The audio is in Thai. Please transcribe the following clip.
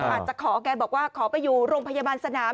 อาจจะขอแกบอกว่าขอไปอยู่โรงพยาบาลสนาม